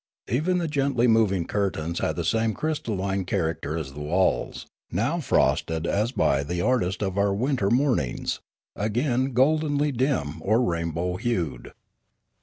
Even the gently moving curtains had the same crystalline character as the walls, now frosted as by the artist of our wiuter niornings, again goldenly dim, or rainbow hued.